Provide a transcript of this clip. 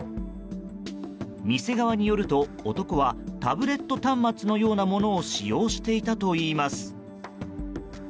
店側によると男はタブレット端末のようなものを使用していたといいます。